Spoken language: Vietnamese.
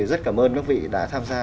rất cảm ơn quý vị đã tham gia